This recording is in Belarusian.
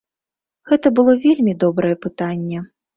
Гэта было вельмі добрае пытанне.